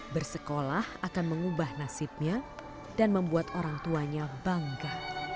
bersekolah akan mengubah nasibnya dan membuat orang tuanya bangga